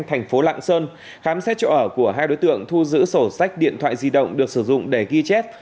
thành phố lạng sơn khám xét chỗ ở của hai đối tượng thu giữ sổ sách điện thoại di động được sử dụng để ghi chép